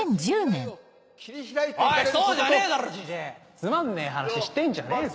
つまんねえ話してんじゃねえぞ。